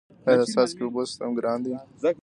آیا د څاڅکي اوبو سیستم ګران دی؟